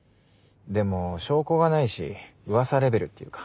でも証拠がないし噂レベルっていうか。